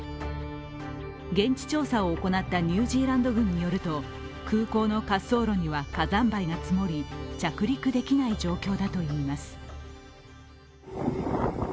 現地調査を行ったニュージーランド軍によると空港の滑走路には火山灰が積もり着陸できない状況だといいます。